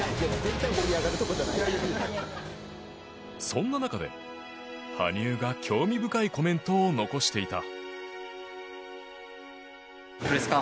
そんな中で、羽生が興味深いコメントを残していた。